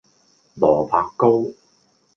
蘿蔔糕